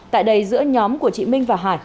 tại đây giữa nhóm của chị minh và hải